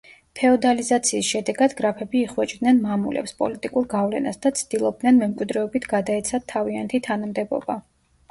ფეოდალიზაციის შედეგად გრაფები იხვეჭდნენ მამულებს, პოლიტიკურ გავლენას და ცდილობდნენ მემკვიდრეობით გადაეცათ თავიანთი თანამდებობა.